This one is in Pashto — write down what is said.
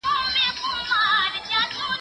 زه مخکي پاکوالي ساتلي وو؟!